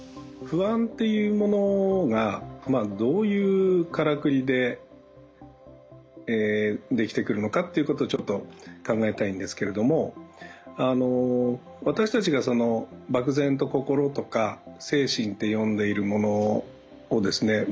不安というものがどういうからくりで出来てくるのかっていうことをちょっと考えたいんですけれども私たちが漠然と心とか精神って呼んでいるものをですね